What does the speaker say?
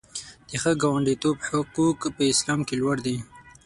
د ښه ګاونډیتوب حقوق په اسلام کې لوړ دي.